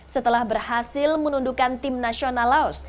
setelah berhasil menundukan tim nasional laos